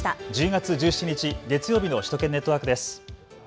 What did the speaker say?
１０月１７日月曜日の首都圏ネットワークです。